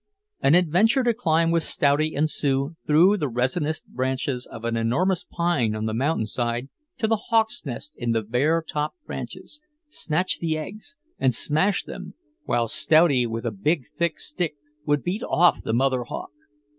An adventure to climb with Stouty and Sue up through the resinous branches of an enormous pine on the mountainside to the hawk's nest in the bare top branches, snatch the eggs and smash them, while Stouty with a big thick stick would beat off the mother hawk.